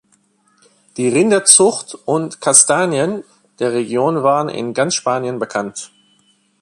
Die "Rinderzucht" und "Kastanien" der Region waren in ganz Spanien bekannt.